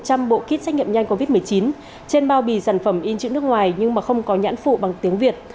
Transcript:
hình hà đã bán một trăm linh bộ kit xét nghiệm nhanh covid một mươi chín trên bao bì sản phẩm in chữ nước ngoài nhưng không có nhãn phụ bằng tiếng việt